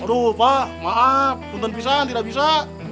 aduh pak maaf konten pisahan tidak bisa